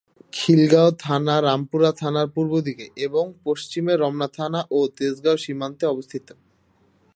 খিলগাঁও থানা রামপুরা থানার পূর্বদিকে এবং পশ্চিমে রমনা থানা ও তেজগাঁও সীমান্তে অবস্থিত।